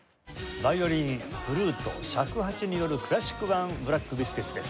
ヴァイオリンフルート尺八によるクラシック版ブラック・ビスケッツです。